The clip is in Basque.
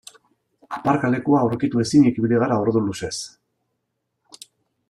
Aparkalekua aurkitu ezinik ibili gara ordu luzez.